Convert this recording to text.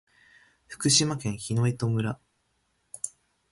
福島県檜枝岐村